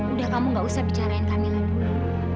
udah kamu gak usah bicarain kamila dulu